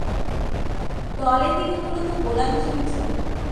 দলে তিনি মূলতঃ বোলার হিসেবে ছিলেন।